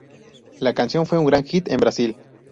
La canción fue un gran hit en Brasil.